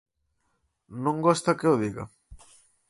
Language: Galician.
Non gosta que o diga?